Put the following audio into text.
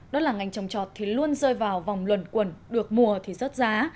đó là ngành trồng trọt thì luôn rơi vào vòng luần quần được mùa thì rớt giá